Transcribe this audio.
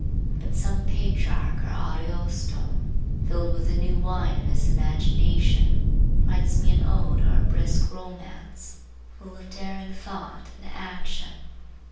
But some Petrarch or Ariosto, filled with the new wine of his imagination, writes me an ode or a brisk romance, full of daring thought and action.